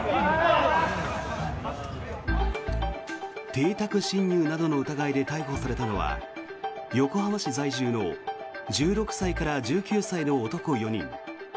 邸宅侵入などの疑いで逮捕されたのは横浜市在住の１６歳から１９歳の男４人。